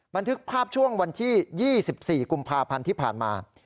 บันทึกภาพช่วงวันที่๒๔กุมภาพันธ์ที่ผ่านมา